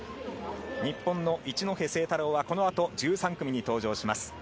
日本の一戸誠太郎はこのあと１３組に登場します。